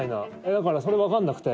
だからそれわかんなくて。